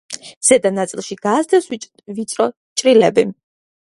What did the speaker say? ზედა ნაწილში, გასდევს ვიწრო ჭრილები.